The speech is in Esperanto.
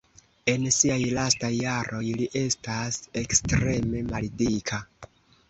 En siaj lastaj jaroj li estas ekstreme maldika.